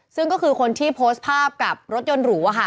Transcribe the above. ซึ่งก็คือคนที่โพสต์ภาพกับรถยนต์หรู